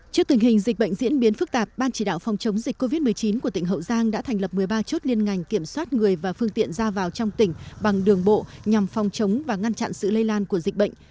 trước tình hình dịch bệnh diễn biến phức tạp ban chỉ đạo phòng chống dịch covid một mươi chín của tỉnh hậu giang đã thành lập một mươi ba chốt liên ngành kiểm soát người và phương tiện ra vào trong tỉnh bằng đường bộ nhằm phòng chống và ngăn chặn sự lây lan của dịch bệnh